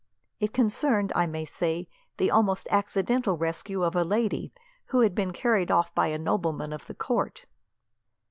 It concerned, I may say, the almost accidental rescue of a lady, who had been carried off by a nobleman of the court."